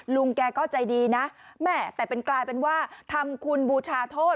ลุงแกก็ใจดีนะแม่แต่เป็นกลายเป็นว่าทำคุณบูชาโทษ